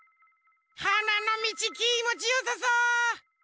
はなのみちきもちよさそう！